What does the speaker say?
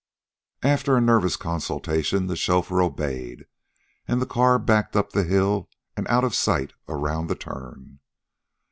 After a nervous consultation, the chauffeur obeyed, and the car backed up the hill and out of sight around the turn.